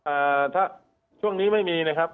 อ่าถ้าช่วงนี้ไม่มีนะครับ